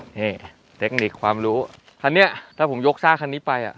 นี่เทคนิคความรู้คันนี้ถ้าผมยกซากคันนี้ไปอ่ะ